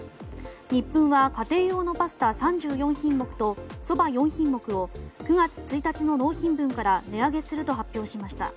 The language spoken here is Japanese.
ニップンは家庭用のパスタ３４品目とそば４品目を９月１日の納品分から値上げすると発表しました。